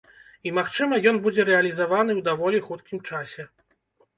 І, магчыма, ён будзе рэалізаваны ў даволі хуткім часе.